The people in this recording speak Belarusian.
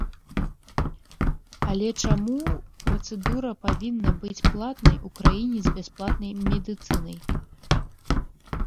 Але чаму працэдура павінна быць платнай у краіне з бясплатнай медыцынай?